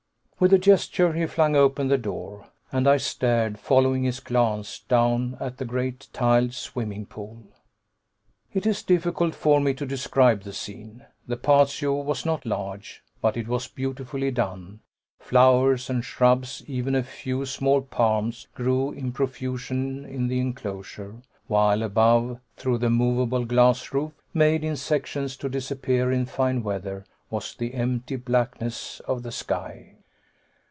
With a gesture he flung open the door, and I stared, following his glance, down at the great tiled swimming pool. It is difficult for me to describe the scene. The patio was not large, but it was beautifully done. Flowers and shrubs, even a few small palms, grew in profusion in the enclosure, while above, through the movable glass roof made in sections to disappear in fine weather was the empty blackness of the sky.